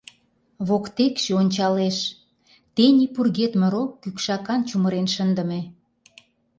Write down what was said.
Воктекше ончалеш: тений пургедме рок кӱкшакан чумырен шындыме.